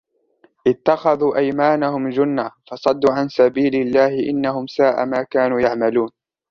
اتَّخَذُوا أَيْمَانَهُمْ جُنَّةً فَصَدُّوا عَنْ سَبِيلِ اللَّهِ إِنَّهُمْ سَاءَ مَا كَانُوا يَعْمَلُونَ